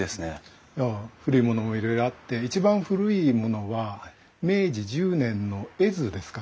いや古いものもいろいろあって一番古いものは明治１０年の絵図ですかね。